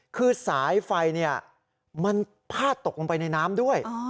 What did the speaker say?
คือสายไฟมันพาดตกลงไปในน้ำด้วย